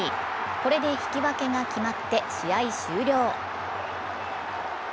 これで引き分けが決まって試合終了。